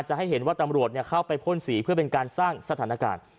จะให้เห็นว่าตำรวจเข้าไปพ่นสีเพื่อเป็นการสร้างสถานการณ์